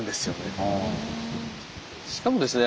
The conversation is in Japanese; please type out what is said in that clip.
しかもですね